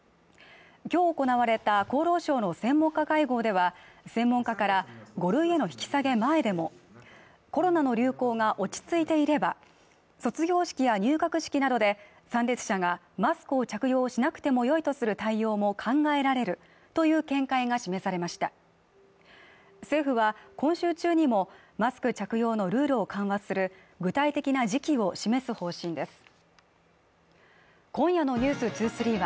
今日行われた厚労省の専門家会合では専門家から５類への引き下げ前でもコロナの流行が落ち着いていれば卒業式や入学式などで参列者がマスクを着用しなくてもよいとする対応も考えられるという見解が示されました政府は今週中にもマスク着用のルールを緩和する具体的な時期を示す方針です今夜の「ｎｅｗｓ２３」は